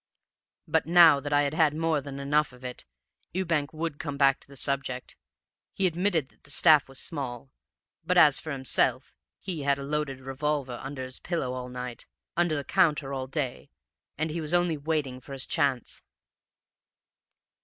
"But, now that I had had more than enough of it, Ewbank would come back to the subject. He admitted that the staff was small; but as for himself, he had a loaded revolver under his pillow all night, under the counter all day, and he was only waiting for his chance.